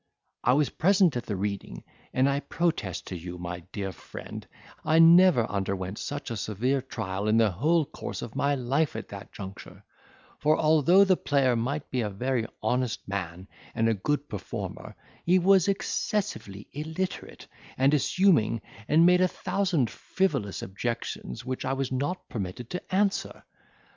"I was present at the reading; and I protest to you, my dear friend, I never underwent such a severe trial in the whole course of my life at that juncture; for although the player might be a very honest man and a good performer, he was excessively illiterate and assuming, and made a thousand frivolous objections, which I was not permitted to answer.